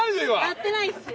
やってないっすよ。